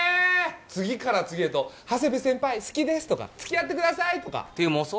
次から次へと長谷部先輩好きですとか付き合ってくださいとかていう妄想？